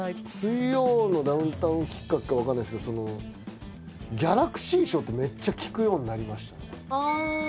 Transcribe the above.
「水曜のダウンタウン」きっかけか分からないですけどギャラクシー賞ってめっちゃ聞くようになりましたね。